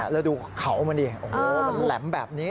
แล้วดูเขามันดิโอ้โหมันแหลมแบบนี้